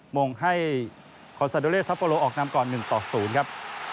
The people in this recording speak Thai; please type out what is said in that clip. มงให้คอนซาโดเลซัปโปโลออกนำก่อน๑ต่อ๐ครับ